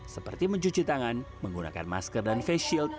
seperti mencuci tangan menggunakan masker dan face shield